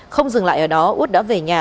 không dừng lại ở đó út đã về nhà